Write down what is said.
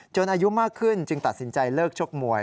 อายุมากขึ้นจึงตัดสินใจเลิกชกมวย